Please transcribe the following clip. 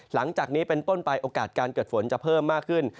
หลังจากนี้เป็นต้นไปโอกาสการเกิดฝนจะเพิ่มมากขึ้น